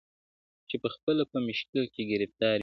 • چي پخپله په مشکل کي ګرفتار وي -